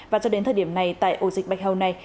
và cho đến thời điểm này tại ổ dịch bạch hầu này